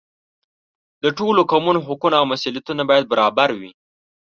د ټولو قومونو حقونه او مسؤلیتونه باید برابر وي.